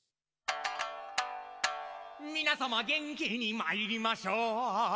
「みなさま元気に参りましょう！！」